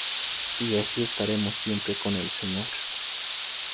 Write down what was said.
Y así estaremos siempre con el Señor.